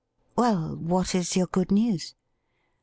' Well, what is your good news